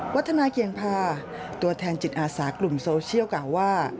วัฒนาเกียงพาตัวแทนจิตอาสากลุ่มโซเชียลกล่าวว่า